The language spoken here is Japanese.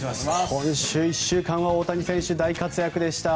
今週１週間は大谷選手、大活躍でした。